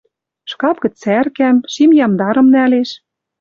Шкап гӹц цӓркӓм, шим ямдарым нӓлеш